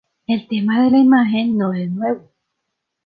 El tema de la imagen, no es nuevo.